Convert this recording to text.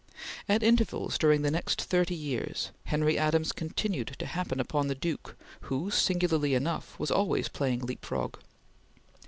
At intervals during the next thirty years Henry Adams continued to happen upon the Duke, who, singularly enough, was always playing leap frog.